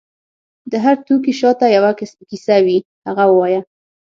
د هر توکي شاته یو کیسه وي، هغه ووایه.